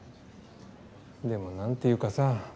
でも何ていうかさ